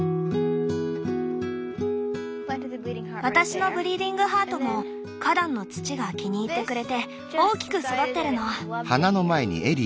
私のブリーディングハートも花壇の土が気に入ってくれて大きく育ってるの。